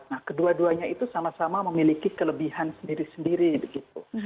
nah kedua duanya itu sama sama memiliki kelebihan sendiri sendiri begitu